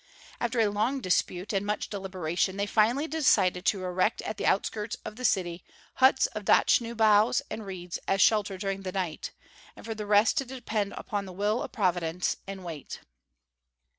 After a long dispute and much deliberation they finally decided to erect at the outskirts of the city huts of dochnu boughs and reeds as shelter during the night, and for the rest to depend upon the will of providence, and wait.